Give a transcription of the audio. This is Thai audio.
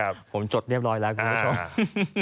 ผมจดเรียบร้อยแล้วคุณผู้ชม